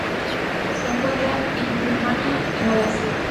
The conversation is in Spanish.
Se encuentra en Birmania y Malasia.